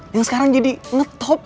yang sekarang jadi ngetop